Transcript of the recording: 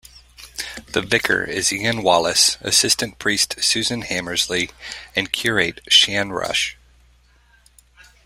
The vicar is Ian Wallis, assistant priest Susan Hammersley and curate Shan Rush.